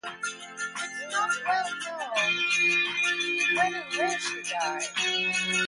It is not known when and where she died.